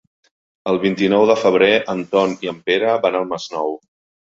El vint-i-nou de febrer en Ton i en Pere van al Masnou.